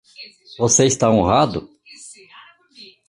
Você está honrado?